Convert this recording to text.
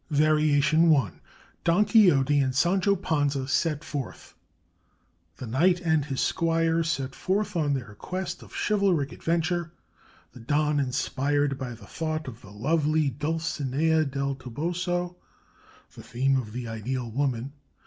VARIATION I DON QUIXOTE AND SANCHO PANZA SET FORTH The knight and his squire set forth on their quest of chivalric adventure, the Don inspired by the thought of the lovely Dulcinea del Toboso (the theme of the Ideal Woman).